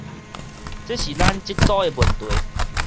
這是咱這組的問題